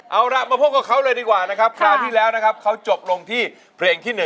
เอาล่ะมาพบกับเขาเลยดีกว่านะครับคราวที่แล้วนะครับเขาจบลงที่เพลงที่๑